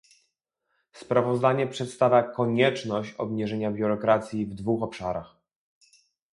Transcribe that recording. Sprawozdanie przedstawia konieczność obniżenia biurokracji w dwóch obszarach